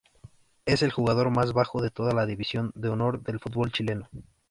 Es el jugador más bajo de toda la división de honor del fútbol chileno.